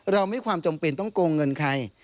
เราไม่ความจำเป็นต้องโกงเงินใคร